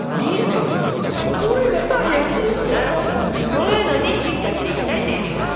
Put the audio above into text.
そういうのに進化していきたいっていう意味か。